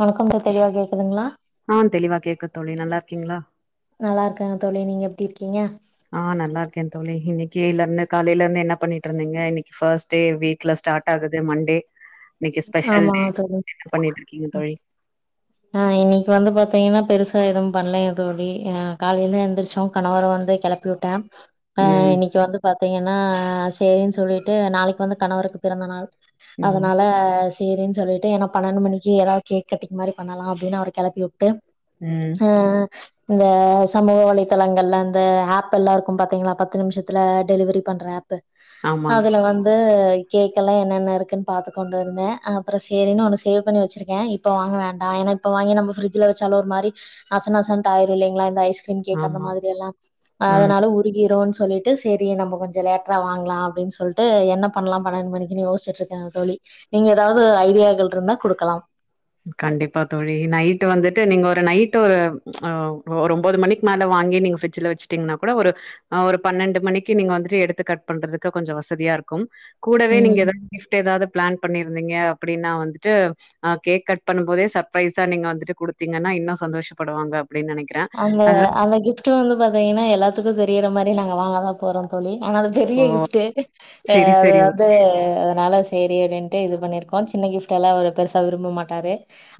வணக்கம் ச தெளிவா கேக்குதுங்களா ஆ தெளிவா கேக்கு தோழி நல்லா இருக்கீங்களா நல்லா இருக்கங்க தோழி நீங்க எப்டிருக்கீ கீங்க ஆ நல்லா இருக்கே தோழி இன்னைக்கு இ இருந்து காலையில இருந்து என்ன பண்ணிட்டு இருந்தீங்க இன்னைக்கு ஃபஸ் டே வீக்ல ஸ்டாட் ஆகுது [unintelligible] மண்டே இன்னைக்கு ஸ்பெஷல் ஆமா டே தோழி என்ன பண்ணிட்டு இருக்கீங்க தோழி ஆ இன்னைக்கு வந்து பாத்தீங்கன்னா பெருஸ் க எதுவு பண்ணல ஏ தோழி காலையில எந்திரிச்சோ கணவர வந்து கெளப்பி விட்டே ஆ ம் இன்னைக்கு வந்து பாத் த்திங்கன்னா சேரின்னு சொல்லிட்டு நாளைக்கு வந்து கணவருக்கு பிறந்த நாள் ம் அதனால ஆ சேரின்னு சொல்லிட்டு ஏன்னா பன்னெண்டு மனிக்கு ஏதாவது கேக் கட்டிங் மாரி பண்ணலா அப்டின்னு அவர களப்பி விட்டு ம் ஆ ஆ இந்த சமூக வலைதளங்கள்ல் அந்த ஆப் எல்லாருக்கு பாத்தீங்களா பத்து நிமிஷத்தில டெலிவரி பண்ற ஆப் பு ஆமா அதுல வந்து கேக்கலா என்னென்ன இருக்குன்னு பாத்துக்கோண் [unintelligible] இருந்தே ஆ அப்புறோ சேரினு சேவ் பண்ணி வச்சிருக்கே இப்ப வாங்க வேண்டாம் ஏன்னா இப்ப வாங்கி நம்ம ஃப்ரிட்ஜுல வச்சாலு ஒரு மாரி நச நசன்டு ஆய்ரு கின் கேக் அந்த ஆமா மாதிரக எல்லா ம் அதனால உருகிருன்சொ சொல்லிட்டு சரி கொஞ்சோ லேட்டரா வாங்கலா அப்படின்னு சொல்ட்டு என்ன பண்ணலா பன்னெட் மணிக்குனு யோச்சிட்டுரு [unintelligible] அந்த தோழி நீங்க ஏதாவது ஐடியாக்கள் இருந்தா குடுக்கலா கண்டிப்பா தோழி நைட்டு வந்துட்டு நீங்க ஒரு நைட் ஒரு ஆ ஒரு ஒன்பது மணிக்கு மேல வாங்கி நீங்க ஃபிரிட்ச்சில வச்சுட்டீங்கன்னா கூட ஒரு ஒரு பன்னெண்டு மணிக்கு நீங்க வந்துட்டு எடுத்து கட் பண்றதுக்கு கொஞ்ச வசதியா இருக்கு கூடவே நீங்க ம். எதாவது கிஃப்ட் ஏதாவது பிளான் பண்ணிருந்தீங்க அப்படின்னா வந்துட்டு அ கேக் கட் பண்ணும் போதே சர்ப்ரைஸா நீங்க வந்துட்டு குடுத்தீங்கன்னா இன்னு சந்தோஷப்படுவாங்க அப்டின்னு நெனைக்கிறே அந்த அதா அந்த கிஃப்ட்டு வந்து பாத்தீங்கன்னா எல்லாத்துக்கு தெரியற மாரி நாங்க வாங்க தா போறோ தோழி ஆனா அது பெரிய ஓ கிஃப்டு செரி அஅது செரி வந்து அதனால சரி அப்டின்ட்டு இது பண்ணியிருக்கோ சின்ன கிஃப்ட்டெல்லா ஒரு பேருசா விரும்ப மாட்டாரு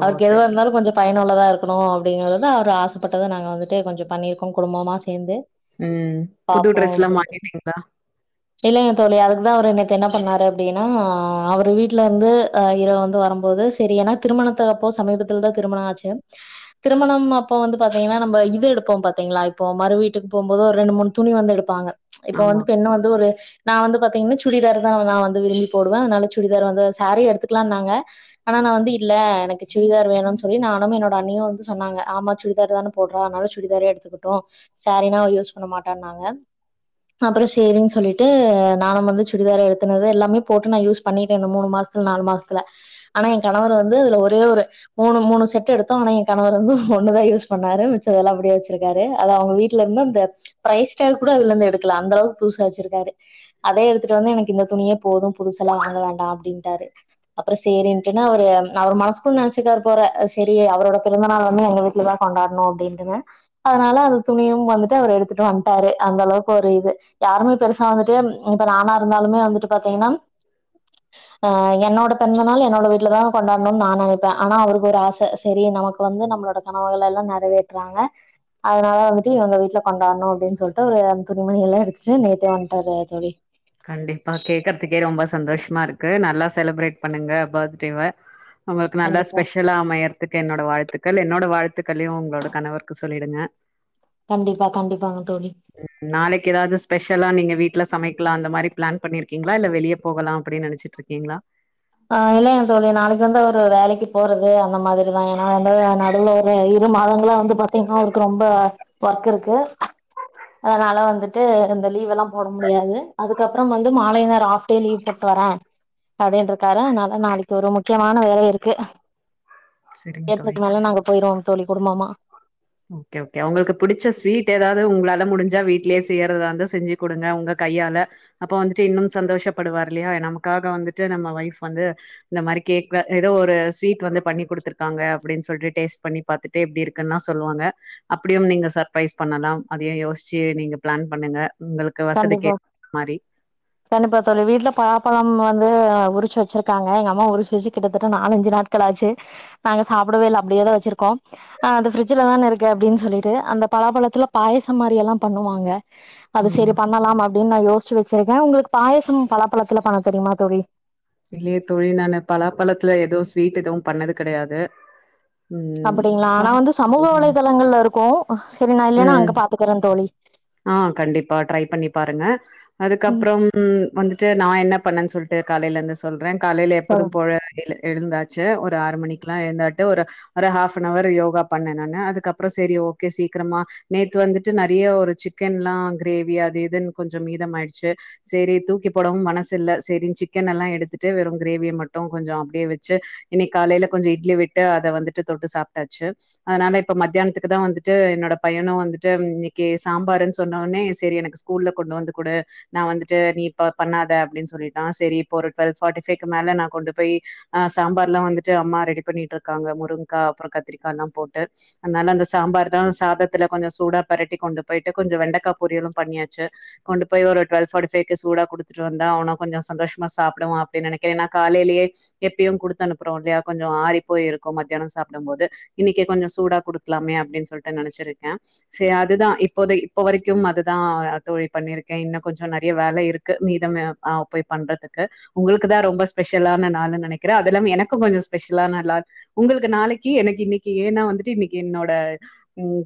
ஓ அவருக்கு எதுவ செரி இருந்தாலு கொஞ்ச பயன் உள்ளதா இருக்கணும் அப்படிங்கறது அவர் ஆச ப்பட்டதது நாங்கள் வந்துட்டு கொஞ்சோ பண்ணியிருக்கோ குடும்பம சேந்து ம் புது பாப்போ ட்ரெஸ்லா அப்பிடின்ட்டு மாட்டிட்டீங்களா இல்லைங் தோழி அதுக்குதா அவரு எ த் என்ன பண்ணாரு அப்பிடின்னா அவர் வீட்ல இருந்து அ ஹீரோ வந்து வருபோது சேரி ஏனா திருமணத்து அப்போ சமீபத்திலதா திருமணோ ஆச்சி திருமணம் அப்ப வந் பாத்தீங்கன்னா நம்ம இது எடுப்போ பாத்தீங்கள இப்ப மறு வீட்டுக்கு போம்போது ஒரு ரெண்டு மூணு துணி வந்து எடுப்பாங்க இப்ப ஆமா வந்து பெண்ணு வந்து ஒரு நா வந்து பாத் த்திங்கன்னா சுடிதார் தா நா வந்து விரும்பி போடுவே அதனால சுடிதார் வந்து சாரி எடுத்துக்கலாங்க ஆனா நா வந்து இல்ல எனக்கு சுடிதார் வேணு சொல்லி நானுமே என்னோட அன்னியு வந்து சொன்னாங்க ஆமா சுடிதார் தான போடுர அனால சுடிதார் எடுத்துக்கிட்டோ சாரீனா யூஸ் பண்ண மாட்டங்க அப்புறோ சேரின்னு சொல்லிட்டு நானு வந்து சுடிதார எடுத்தனால எல்லாமே போட்டு நா யூஸ் பண்ணிட்டே மூனு மாசத்துல நாலு மாசத்துல ஆனா ஏ கணவர் வந்து இதுல ஒரே ஒரு மூனு மூனு செட் எடுத்தோ ஆனா ஏ கணவர் வந்து ஒன்னுதா யூஸ் பண்ணாரு மிஞ்சதல்ல எல்லா அப்பிடியே வச்சிருக்காரு அத அவுங்க வீட்ல இருந்து அந்த பிரஸ் டேக் கூட அதுலருந்து எடுக்கல அந்த அளவுக்கு புதுசா வச்சிருக்காரு அதே எடுத்துட்டு வந்து எனக்கு இந்த துணியே போது புதுசல்லா வாங்க வேண்டா அப்பிடின்டாரு அப்புறோ சேரின்ட்டுன்னா அவரு அவரு மனசுக்குள்ள நெனச்சிக்காரு போற சேரி அவரோட பிறந்த நாளுமே எங்க கொண்டாடணு அப்பிடின்டுனு அதனால அந்த துணியு வந்துட்டு அவர் எடுத்துட்டு வந்துட்டாரு அந்த அளவுக்கு ஒரு இது யாருமே பெருசா வந்துட்டு இப்ப நானா இருந்தாலுமே வந்துட்டு பாத்தீங்கன்னா ஆ என்னோட பிறந்த நாள் என்னோட வீட்லதா கொண்டாடணுன் நா நெனைப்பே ஆனா அவுருக்கு ஒரு ஆச சேரி நமக்கு வந்து நம்மளோட கனவுகல்லா நெறவேற்றாங்க அதனால வந்துட்டு இவுங்க வீட்ல கொண்டாடணு அப்பிடின் சொல்ட்டு ஒரு அந்த துணிமணி எல்லா எடுத்துட்டு நேத்தே வந்துட்டாரு தோழி கண்டிப்பா கேக்குறதுக்கே ரொம்ப சந்தோஷமா இருக்கு நல்லா செலிப்ரேட் பண்ணுங்க பர்த்டேவ அவுங்களுக்கு நல்லா கண்டிப்பா ஸ்பெஷலா அமையறத்துக்கு என்னோட வாழ்த் த்துக்கள் என்னோட வாழ்த்துக்களையு உங்களோட கணவருக்கு சொல்லிடுங்க கண்டிப்பா கண்டிப்பாங்க தோழி நாளைக்கு ஏதாவது ஸ்பெஷலா நீங்க வீட்ல சமைக் க்கலா அந்த மாரி பிளான் பண்ணிருக்கீங்களா இல்ல வெளியே போகலா அப்பிடின் நெனச்சிட்டு இருக்கீங்களா ஆ இல்லங்க தோழி நாளைக்கு வந்து அவ வேலைக்கு போறது அந்த மாதிரிதா ஏன்னா வந்து நடுல ஒரு இரு மாதங்களா வந்து பாத்தீங்கன்னா அவருக்கு ரொம்ப ஒர்க் இருக்கு அதனால வந்துட்டு இந்த லீவ் எல்லா போட முடியாது அதுக்கப்புறோ வந்து மாலை நேரோ ஆஃப்டே லீவ் போட்டு வரே அப்பிடின்ற ண்டாரா அனாலா நாளைக்கு ஒரு முக்கியமான வேலை இருக்கு செரிங்க தோழி ஏப்பறக்கு மேல நாங்க போயிறோ தோழி குடுபம்மா ஓகே ஓகே உங்களுக்கு புடிச்ச ஸ்வீட் ஏதாவது உங்களால முடிஞ்சா வீட்லியே செய்யறதாந்தா செஞ்சி குடுங்க உங்க கையால அப்ப வந்துட்டு இன்னும் சந்தோஷப்படுவாரு இல்லையா நமக்காக வந்துட்டு நம்ம வயஃப் வந்து இந்த மாதிரி கேக் எதோ ஒரு ஸ்வீட் வந்து பண்ணி குடுத்திருக்காங்க அப்பிடின் சொல்ட்டு டேஸ்ட் பண்ணி பாத்துட்டு எப்பிடி இருக்குனா சொ சொல்லுவாங்க அப்பிடியும் நீங்க சர்பரைஸ் பண்ணலா அதியு யோசிச்சி நீங்க பிளான் பண்ணுங்க உங்களுக்கு வசதிக்கு கண்டிப்பா ஏத்த மாரி கண்டிப்பா தோழி வீட்ல பழாப்பழம் ம் வந்து உரிச்சி வச்சிருக்காங்க எங்க அம்மா உரிச்சி வைச்சி கிட்டத்தட்ட நாலஞ்சி நாட்கள் அச்சி நாங்க சாப்பிடவே இல்ல அப்பிடியேதா வச்சிருக்கோ அந்த ஃப்ரிஜ்லதான இருக்கு அப்பிடின் சொல்லிட்டு அந்த பழாப்பழத்துல பாயசம் மாரி எல்லா பண்ணுவாங்க ம் ஆமா அப்பிடின் நா யோசிவச்சிருக்கே உங்களுக்கு பாயாசோ பலாபழத்துல பண்ண தெரியுமா தோழி இல்லையே தோழி நா பலாப்பழத்துல எதுவு ஸ்வீட் எதுவு பண்ணது கெடையாது ம் அப்படிங்களா ஆனா வந்து சமூக வலைதளங்கள்ல இருக்கு சரி நா இல்லைன்னா ம் அங்க பாத்துக்கறே தோழி ஆ கண்டிப்பா டிரை பண்ணி பாருங்க ம் அதுக்கப்புறோம் வந்து ட்டு நா என்ன பண்ணேன் சொல்ட்டு காலையில இருந் சொல்றே காலையில எப்போது சொல்லுங்க போல எழுந்தாச்சி ஒரு ஆறு மணிக்குல்லா எழுந்தாட்டு ஒரு ஒரு ஹாஃப்ன்னவர் யோகா பண்ணே நானு அதுக்கப்புறோ சேரி ஓகே சீக்கிரமா நேத்து வந்துட்டு நெறைய ஒரு சிக்கன்ல்லா கிரேவி அது இதுன்னு கொஞ்சம் மீதம் ஆயிடுச்சி சேரி தூக்கி போடவு மனசு இல்ல சேரின் சிக்கன் எல்லா எடுத்து ட்டு வெறு கிரேவி மட்டு கொஞ்சோ அப்பிடியே வச்சி இன்னிக்கு காலையில கொஞ்ச இட்லி விட்டு அத வந்துட்டு தொட்டு சாப்பிட்டாச்சி அதனால இப்ப மத்தியானத்துக்கு தா வந்துட்டு என்னோட பையனு வந்துட்டு இன்னிக்கு சாம்பருன்னு சொன்னோன்னே சேரி எனக்கு ஸ்கூல்ல கொண்டு வந்து குடு நா வந்துட்டு நீ ப பண்ணாத அப்பிடின்னு சொல்லிட்டா சேரி இப்பொரு டு்வெல் பார்டி ஃபைக்கு மேல நா கொண்டு போய் ஆ சாம்பார்ல்லா வந்துட்டு அம்மா ரெடி பண்ணிட்டு இருக்காங்க முருங்கா அப்புறோ கத்திரிக்கா எல்லா போட்டு அனால அந்த சாம்பார்தா சாதத்துல கொஞ்சோ சூடா பரட்டி கொண்டு போயிட்டு கொஞ்சோ வெண்டக்கா பொரியலு பண்ணியாச்சி கொண்டு போய் ஒரு டுவல் ஃபார்டிஃபை்க சூடா குடுத்துட்டு வந்தா அவன கொஞ்ச சந்தோஷமா சா டு அப்பிடி நெனைக்க ஏன்னா காலைலியே எப்பியு குடுத்து அனுப்புறோ இல்லையா கொஞ்சோ ஆரி போயிருக்கு மத்தியானம் சாப்பிடு போது இன்னிக்கு கொஞ்ச சூடா குடுக்கலாமே அப்பிடின்னு சொல்லிட்டு நெனைச்சிருக்கே சே அதுதா இப்போதை இப்ப வரைக்கு அதுதா தோழி பண்ணிருக்கே இன்னு கொஞ்சோ நெறைய வேல இருக்கு மீதம் ஆ போய் பண்றதுக்கு உங்களுக்கு தா ரொம்ப ஸ்பெஷலான நாள்னு நெனைக்கிறே அதெல்லா எனக்கு கொஞ்சோ ஸ்பெஷலான லால் உங்களுக்கு நாளைக்கு எனக்கு இன்னிக்கு ஏன்னா வந்துட்டு இன்னிக்கு என்னோட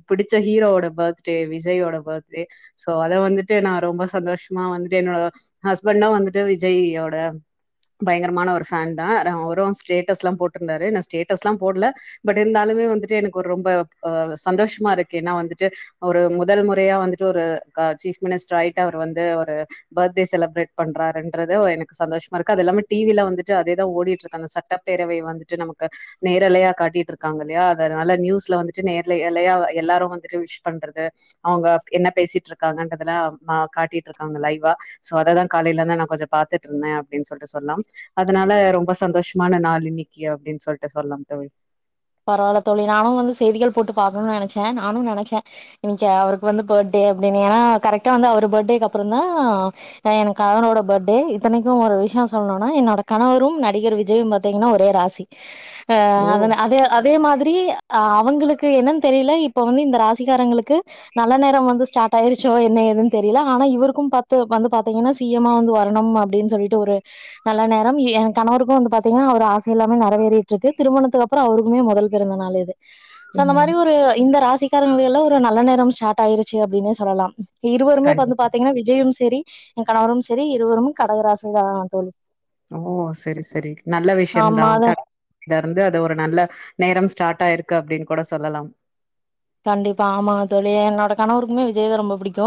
பிடிச்ச ஹீரோட பர்த்டடே விஜயோட பர்த்டே சோ அத வந்துட்டு நா ரொம்ப சந்தோஷமா வந்துட்டு என்னோட ஹஸ்பண்டா வந்துட்டு விஜய்யோட பயங்கரமான ஒரு ஃபேன்தா அவரு ஸ்டேட்டஸ் எல்லா போட்டிருந்தாரு நா ஸ்டேட்டஸ்ல்லா போடல பட் இருந்தாலுமே வந்துட்டு எனக்கு ஒரு ரொம்ப அ சந்தோஷமா இருக்கு ஏன்னா வந்துட்டு அவுரு முதல் முறையா வந்துட்டு ஒரு சீப் மினிஸ்டர் ஆயிட்டு அவர் வந்து ஒரு பர்த்டே செலிப்ரேட் பண்றான்றது எனக்கு சந்தோஷ் மா இருக்கு அதுல்லாம டி வி ல வந்துட்டு அதேதா ஓடிட்ருக்கு அந்த சட்டப்பேரவை வந்துட்டு நமக்கு நேரலையா காட்டிட்ருக்காங்கல்லயா அதனால நியூஸ்ல வந்துட்டு நேர்ல எலயா எல்லாரு வந்துட்டு விஷ் பண்றது அவுங்க என்ன பேசிட்ருக்காங்கன்றதல்லாஅ காட்டிட்ருக்காங்க லைவா சோ அததா காலைலெந்து நா கொஞ்சொ பாத்துட்ருந்தே அப்டின் சொல்ட்டு சொல்லாம் அதுனால ரொம்ப சந்தோஷமான நாள் இன்னக்கி அப்டின் சொல்ட்டு சொல்லாம் தோழி பரவால்ல தோழி நானு வந்து செய்திகள் போட்டு பாக்கனு நெனச்சே நானு நெனச்சே இன்னைக்கு அவருக்கு வந்து பர்டே அப்டின்னு ஏனா கரெக்டா வந்து அவர் பர்டேக்கு அப்புறந்தா எனக் கணவனோட பர்டே இத்தனைக்கு ஒரு விஷ்யொ சொல்னுனா என்னோட கணவரும் நடிகர் விஜயும் பாத்தீங்கனா ஒரே ராசி ஆ ஓ அதன அதே அதே மாதிரி அ அவுங்களுக்கு என்னன் தெரில இப்ப வந்து இந்த ராசிக்காரங்களுக்கு நல்ல நேரம் வந்து ஸ்டார்ட் ஆயிருச்சோ என்ன ஏதுன் தெரில ஆனா இவருக்கும் பத்து வந்து பாத்தீங்கனா சி எம்‌ மா வந்து வரனும் அப்டின் சொல்ட்டு ஒரு நல்ல நேரம் எ கணவருக்கு வந்து பாத்தீங்கனா அவர் ஆசை எல்லாமே நெறவேறிட்ருக்கு திருமணத்துக்கப்றொ முமே மொதல் பிறந்த நாள் இது சோ அந்த ம் மாரி ஒரு இந்த ராசி க்காரங்களுக்கெல்லா ஒரு நேரம் ஸ்டாட் ஆயிருச்சு அப்டின்னு சொல்லலாம் இருவருமே வந்து கண்டிப்பா பாத்தீங்கனா விஜயும் சேரி எ கணவரும் செரி இருவரும் கடகராசிதா தோழி ஓ செரி செரி நல்ல விஷ்யம்தா ஆமா அது [inaudible] இருந்து அத ஒரு நல்ல நேரம் ஸ்டாட் ஆயிருக்கு அப்டின் கூட சொல்லலாம் கண்டிப்பா ஆமா தோழி என்னோட கணவருக்குமே விஜய் தா ரொம்ப புடிக்கு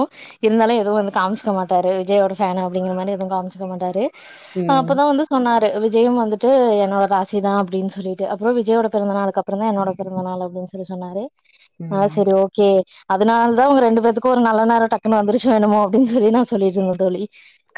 இருந்தாலு எதுவு வந்து காமிச்சுக்க மாட்டாரு விஜயோட ஃபேனு அப்டிங்கிற மாரி எதுவு காமிச்சுக்க மாட்டாரு ம் அப்பதா வந்து சொன்னாரு விஜயும் வந்து ட்டு என்னோட ராசி தா அப்டின் சொல்லிட்டு அப்றொ விஜயோட பிறந்த நாளுக்கப்றொந் தா என்னோட பிறந்த நாள் அப்டின் சொல்லி சொன்னாரு ஆ ம் செரி ஓகே அதுனால் தா உங்க ரெண்டு பேத்து க்கு ஒரு நல்ல நேரொ டக்குனு வந்துருச்சோ என்னமோ அப்டின் சொல்லி நா சொல்லிட்ருந்த தோழி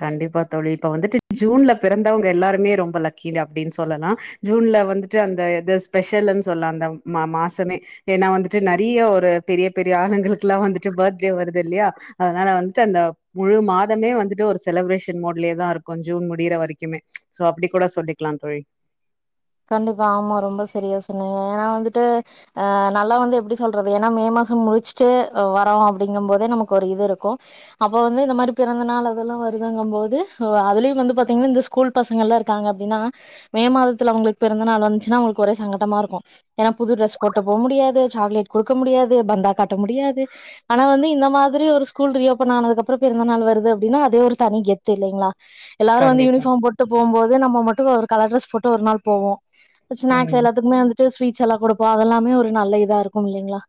கண்டிப்பா தோழி இப்ப வந்துட்டு ஜூன்ல பிறந்தவுங்க எல்லாருமே ரொம்ப லக்கீடு அப்டின் சொல்லலா ஜூன்ல வந்துட்டு அந்த எது ஸ்பெஷலுனு சொல்லா அந்த மா மாசமே ஏனா வந்துட்டு நெறைய ஒரு பெரிய பெரிய ஆளுங்களுக்குலா வந்துட்டு பர்த்டே வருதுல்லயா அதுனால வந்துட்டு அந்த முழு மாதமே வந்துட்டு ஒரு செலிப்ரேஷன் மோட்லயே தா இருக்கு ஜூன் முடியிற வரைக்குமே சோ அப்டி கூட சொல்லிக்லாம் தோழி கண்டிப்பா ஆமா ரொம்ப சரியா சொன்னிங்க ஏனா வந்துட்டு அ நல்லா வந்து எப்டி சொல்றது ஏனா மே மாசம் முடிச்சுட்டு வரோ அப்டிங்கம் போதே நமக்கு ஒரு இது இருக்கு அப்ப வந்து இந்த மாரி பிறந்த நாள் அதெல்லா வருதுங்கம்போது அதுலயு வந்து பாத்தீங்னா இந்த ஸ்கூல் பசங்கள்லா இருக்காங்க அப்டின்னா மே மாதத்துல அவுங்ளுக் பிறந்த நாள் வந்ச்சுனா அவுங்ளுக்கு ஒரே சங்கட்டமா இருக்கு ஏனா புது ட்ரெஸ் போட்டு போ முடியாது சாக்லேட் குடுக்க முடியாது பந்தா காட்ட முடியாது ஆனா வந்து இந்த மாதிரி ஒரு ஸ்கூல் ரீ ஓபன் ஆனதுக்கப்றொ பிறந்த நாள் வருது அப்டின்னா அதே ஒரு தனி கெத்து இல்லைங்ளா எல்லாரு வந்து கண்டிப்பா யூனிஃபாம் போட்டு போம்போது நம்ம மட் டு ஒரு கலர் ட்ரெஸ் போட்டு ஒரு நாள் போவோ ஸ்நாக்ஸ் ம் எல்லாத்துக்குமே வந்துட்டு ஸ்வீட் ஸெல்லா குடுப்போ அதெல்லாமே ஒரு நல்ல இதா இருக்கு இல்லிங்ளா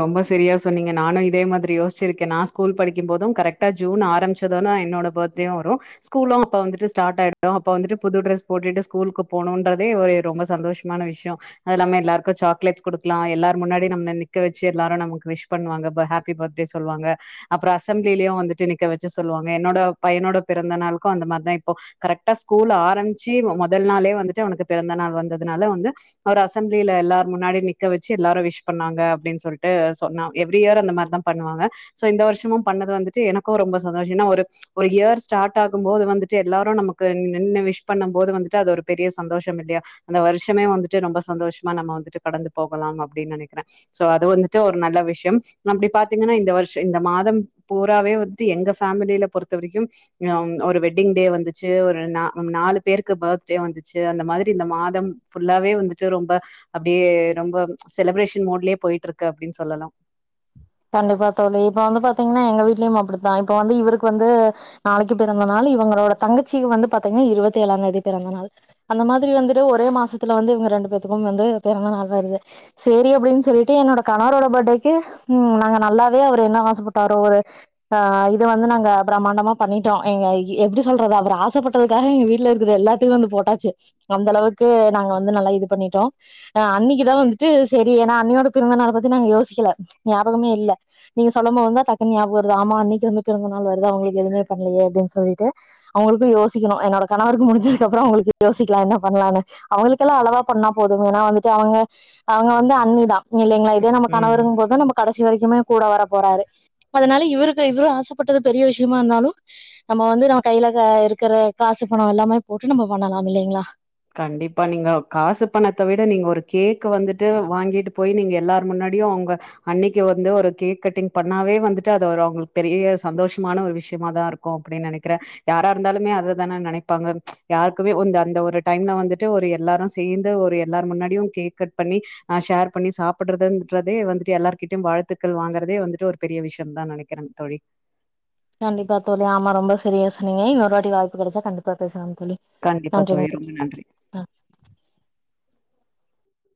ரொம்ப சரியா சொன்னீங்க நானு இதே மாதிரி யோசுச்சிருக்கே நா ஸ்கூல் படிக்கும் போது கரெக்டா ஜூன் ஆரம்மிச்சதோனா என்னோட பர்த்டேயு வரு ஸ்கூலு அப்ப வந்துட்டு ஸ்டார்ட் ஆயிடு அப்ப வந்துட்டு புது ட்ரெஸ் போட்டுட்டு ஸ்கூலுக்கு போனூன்றதே ஒரு ரொம்ப சந்தோஷ்மான விஷ்யோ அதுல்லாம எல்லாருக்கு சாக்லேட்ஸ் குடுக்லா எல்லார் முன்னாடி நம்ம நிக் க வச்சு எல்லாரு நமக்கு விஷ் பண்ணுவாங்க ஹாப்பி பர்த்டே சொல்வாங்க அப்ற அசம்ப்ளிலயு வந்துட்டு நிக்க வச்சு சொல்வாங்க என்னோட பையனோட பிறந்தாளுக்கு அந்த மார்தா இப்போ கரெக்டா ஸ்கூல் ஆரம்பிச்சி மொதல் நாளே வந்துட்டு அவனுக்கு பிறந்த நாள் வந்ததுனால வந்து அவர் அசம்ப்ளில எல்லார் முன்னாடி நிக்க வச்சு எல்லாரு விஷ் பண்ணாங்க அப்டின் சொல்ட்டு சொன்னா எவ்ரி இயர் அந்த மார்தா பண்ணுவாங்க சோ இந்த வர்ஷமு பண்ணது வந்துட்டு எனக்கு ரொம்ப சந்தோஷொ எனா ஒரு ஒரு இயர் ஸ்டார்ட் ஆகும் போது வந்துட்டு எல்லாரு நமக்கு நின்னு விஷ் பண்ணும் போது வந்துட்டு அது ஒரு பெரிய சந்தோஷம் இல்யா அந்த வருஷமே வந்துட்டு ரொம்ப சந்தோஷமா நம்ம வந்துட்டு கடந்து போகலாம் அப்டின் நெனக்கிறே சோ அது வந்துட்டு ஒரு நல்ல விஷ்யம் அப்டி பாத்தீங்கன்னா இந்த வருஷ இந்த மாதம் பூராவே வந்துட்டு எங்க ஃபேமிலில பொறுத்த வரைக்கும் அ ஒரு வெட்டிங் டே வந்துச்சு ஒரு ந நாலு பேருக்கு பர்த் டே வந்துச்சு அந்த மாதிரி இந்த மாதம் ஃபுல்லாவே வந்துட்டு ரொம்ப அப்டியே ரொம்ப செலிப்ரேஷன் மோட்லயே போயிட்ருக்கு அப்டின் சொல்லலா கண்டிப்பா தோழி இப்ப வந்து பாத்தீங்கனா எங்க வீட்லயும் அப்டித்தா இப்ப வந்து இவருக்கு வந்து நாளைக்கு பிறந்த நாள் இவுங்களோட தங்கச்சிக்கு வந்து பாத்தீங்கனா இருவத்தி ஏழாந் தேதி பிறந்த நாள் அந்த மாதிரி வந்துட்டு ஒரே மாசத்துல வந்து இவுங்க ரெண்டு பேத்துக்கும் வந்து பிறந்த நாள் வருது சேரி அப்டின் சொல்லிட்டு என்னோட கணவரோட பர்டேக்கு ம் நாங்க நல்லாவே அவர் என்ன ஆசப்பட்டாரோ ஒரு ஆ இத வந்து நாங்க பிரம்மாண்டமா பண்ணிட்டோ எங்க எப்டி சொல்றது அவர் ஆசப்பட்டதுக்காக எங்க வீட்லருக்கது எல்லாத்தையு வந்து போட்டாச்சு அந்த அளவுக்கு நாங்க வந்து நல்லா இது பண்ணிட்டோ அ அண்ணிக்குதா வந்துட்டு சேரி ஏனா அண்ணியோட பிறந்த நாள் பத்தி நாங்க யோசிக்கல ஞாபகமே இல்ல நீங்க சொல்லம்மோது தா டக்குன் ஞாபக வருது ஆமா அண்ணிக்கு வந்து பிறந்த நாள் வருது அவுங்ளுக்கு எதுவுமே பண்லயே அப்டின் சொல்லிட்டு அவுங்களுக்கு யோசிக்கனு என்னோட கணவருக்கு முடிஞ்சதுக்கப்றொ அவுங்களுக்கு யோசிக்லா என்ன பண்லானு அவுங்களுக்கெல்லா அளவா பண்ணா போதும் ஏனா வந்துட்டு அவுங்க அவுங்க வந்து அண்ணிதா இல்லலைங்ளா இதே நம்ம ம் கணவரும் போது நமக்கு கடைசி வரைக்குமே கூட வர போறாரு அதனால இவருக்கு இவரு ஆசப்பட்டது பெரிய விஷயமா இருந்தாலு நம்ம வந்து நம்ம கையில இருக்குற காசு பண எல்லாமே போட்டு நம்ம பண்ணலா இல்லைங்ளா கண்டிப்பா நீங்க காசு பணத்த விட நீங்க ஒரு கேக் வந்துட்டு வாங்கிட்டு போய் நீங்க எல்லார் முன்னாடியு அவுங்க அன்னைக்கு வந்து ஒரு கேக் கட்டிங் பண்ணாவே வந்துட்டு அத ஒரு அவுங்களுக்கு பெரிய சந்தோஷமான ஒரு விஷயமா தா இருக்கு அப்டின்னு நெனக்குறே யாரா இருந்தாலுமே அததானே நெனைப்பாங்க யாருக்குமே வந்து அந்த ஒரு டைம்லா வந்துட்டு ஒரு எல்லாரு சேர்ந்து ஒரு எல்லார முன்னாடியு கேக் கட் பண்ணி அ ஷேர் பண்ணி சாப்டுறதுன்றதே வந்துட்டு எல்லார்கிட்டயு வாழ்த்துக்கள் வாங்கறதே வந்துட்டு ஒரு பெரிய விஷயந்தா நெனக்குறே தோழி கண்டிப்பா தோழி ஆமா ரொம்ப சரியா சொன்னீங்க இன்னோரு வாட்டி வாய்பு கெடச்சா கண்டிப்பா பேசலா கண்டிப்பா தோழி ரொம்ப நன்றி